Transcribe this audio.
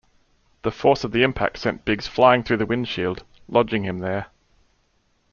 The force of the impact sent Biggs flying through the windshield, lodging him there.